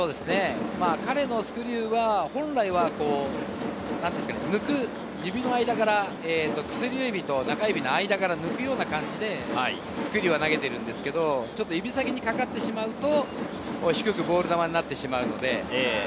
彼のスクリューは本来は、指の間から抜くような感じで投げているんですけれど、ちょっと指先にかかってしまうと低くボール球になってしまうので。